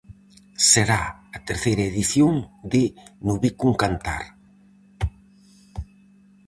Será a terceira edición de No bico un cantar.